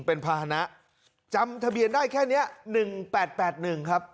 เป็นภาษณะจำทะเบียนได้แค่นี้๑๘๘๑ครับ